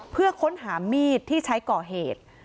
เพื่อค้นหามีดที่ใช้ก่อเหตุ